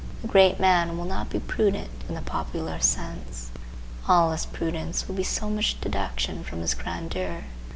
The great man will not be prudent in the popular sense; all his prudence will be so much deduction from his grandeur.